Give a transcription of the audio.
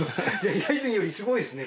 平泉よりすごいですね！